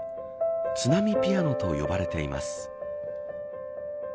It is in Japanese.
津波ピアノと呼ばれています。